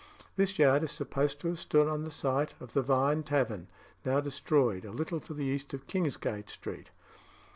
This yard is supposed to have stood on the site of the Vine Tavern (now destroyed), a little to the east of Kingsgate Street.